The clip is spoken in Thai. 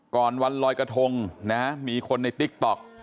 วันลอยกระทงนะมีคนในติ๊กต๊อก